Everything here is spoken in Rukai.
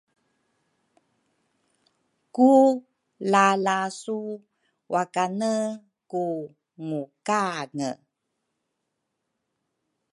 ku lalasu wakane ku ngukange.